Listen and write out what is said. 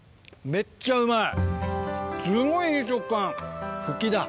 めっちゃうまい！